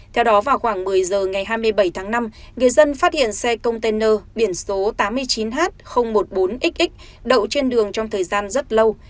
theo đó vào khoảng một mươi giờ ngày hai mươi bảy tháng năm người dân phát hiện xe container biển số tám mươi chín h một mươi bốn xx đậu trên đường trong thời gian rất lâu